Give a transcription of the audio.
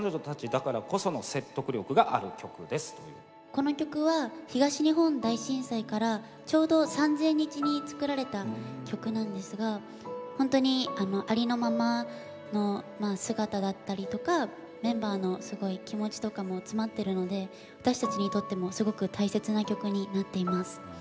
この曲は東日本大震災からちょうど３，０００日に作られた曲なんですが本当にありのままの姿だったりとかメンバーのすごい気持ちとかも詰まってるので私たちにとってもすごく大切な曲になっています。